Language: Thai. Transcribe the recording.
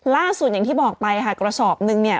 อย่างที่บอกไปค่ะกระสอบนึงเนี่ย